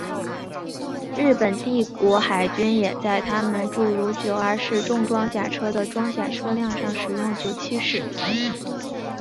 日本帝国海军也在他们诸如九二式重装甲车的装甲车辆上使用九七式。